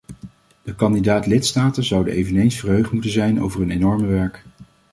De kandidaat-lidstaten zouden eveneens verheugd moeten zijn over hun enorme werk.